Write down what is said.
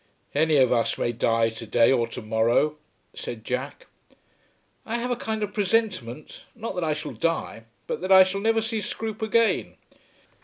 "Any of us may die to day or to morrow," said Jack. "I have a kind of presentiment, not that I shall die, but that I shall never see Scroope again.